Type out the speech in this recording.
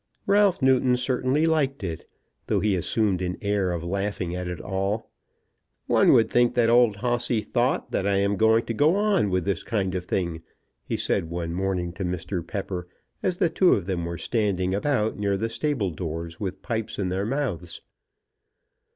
Ralph Newton certainly liked it, though he assumed an air of laughing at it all. "One would think that old Hossy thought that I am going to go on with this kind of thing," he said one morning to Mr. Pepper as the two of them were standing about near the stable doors with pipes in their mouths.